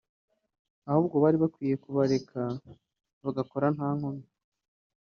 ahubwo bari bakwiye kubareka bagakora nta nkomyi